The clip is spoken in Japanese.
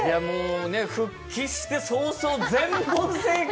復帰して早々、全問正解。